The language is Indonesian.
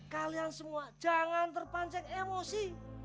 kalian semua jangan terpancing emosi